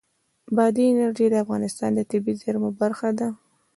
بادي انرژي د افغانستان د طبیعي زیرمو برخه ده.